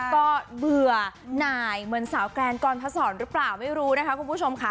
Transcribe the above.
ก็เบื่อหน่ายเหมือนสาวแกรนกรพศรหรือเปล่าไม่รู้นะคะคุณผู้ชมค่ะ